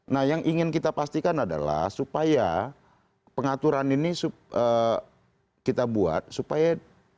nah yang ingin kita pastikan adalah supaya pengaturan ini kita buat supaya